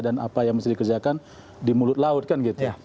dan apa yang harus dikerjakan di mulut laut kan gitu